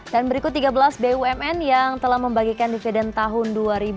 dan berikut tiga belas bumn yang telah membagikan dividen tahun dua ribu sembilan belas